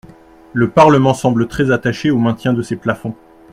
Le Parlement semble très attaché au maintien de ces plafonds.